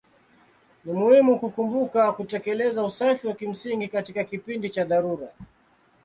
Ni muhimu kukumbuka kutekeleza usafi wa kimsingi katika kipindi cha dharura.